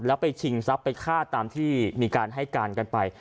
แล้วไปชิงทรัพย์ไปฆ่าตามที่มีการให้การกันไป